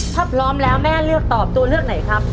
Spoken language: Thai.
ถ้าพร้อมแล้วแม่เลือกตอบตัวเลือกไหนครับ